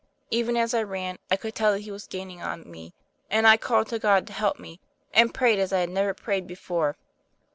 Even as I ran, I could tell that he was gaining on me; and I called to God to help me, and prayed as I had never prayed before.